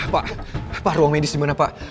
pak pak ruang medis dimana pak